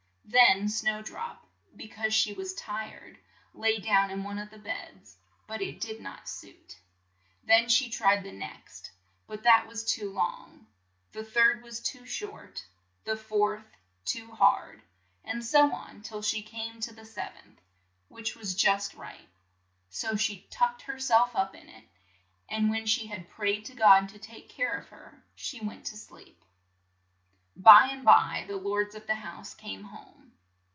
Then Snow drop, be cause she was tired, lay down in one of the beds, but it did not suit; then she tried the next, but that was too long ; the third was too short ; the fourth, too hard ; and so on till she came to the sev enth, which was just right, so she tucked her self up in it, and when she had prayed to God to take care of her, went to sleep. By and by the lords of the house came home.